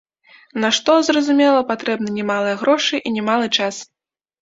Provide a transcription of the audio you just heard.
На што, зразумела, патрэбныя немалыя грошы і немалы час.